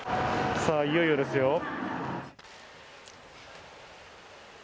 さあ、いよいよですよ。